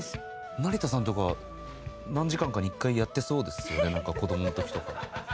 成田さんとか何時間かに１回やってそうですよねなんか子供の時とか。